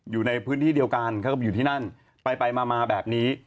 อยู่ในพื้นที่เดียวกันเขาก็ไปอยู่ที่นั่นไปมาแบบนี้